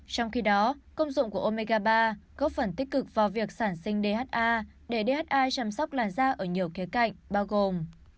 trong khi đó công dụng của omega ba góp phần tích cực vào việc sản sinh dha để dhi chăm sóc làn da ở nhiều khía cạnh bao gồm